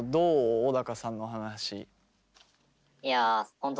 小高さんの話。